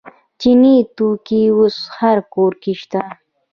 چیني توکي اوس هر کور کې شته.